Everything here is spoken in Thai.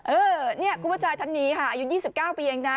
เออเนี่ยคุณประจายทันนี้ค่ะอายุยี่สิบเก้าปีเองนะ